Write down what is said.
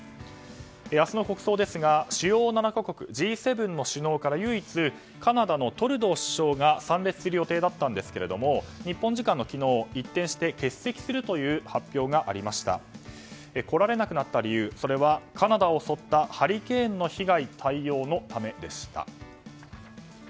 明日の国葬ですがＧ７の首脳から唯一、カナダのトルドー首相が参列する予定だったんですけども日本時間の昨日、一転して欠席するという発表がありました。来られなくなった理由はカナダを襲ったハリケーンの被害対応のためでした。